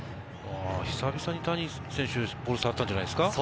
ひさびさに谷選手はボールを触ったんじゃないですか？